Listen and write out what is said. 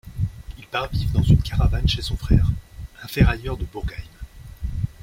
Il part vivre dans une caravane chez son frère, un ferrailleur de Bourgheim.